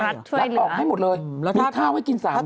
ตัดออกให้หมดเลยมีข้าวให้กิน๓๐๐